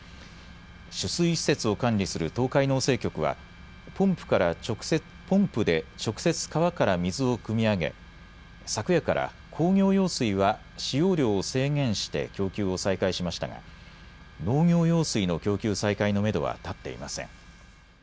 取水施設を管理する東海農政局はポンプで直接川から水をくみ上げ、昨夜から工業用水は使用量を制限して供給を再開しましたが農業用水の供給再開のめどは立っていません。